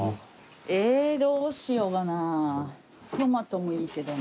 えぇーどうしようかな。